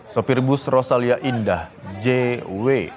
sopir bus rosalia indah jw